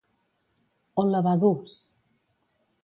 On la va dur?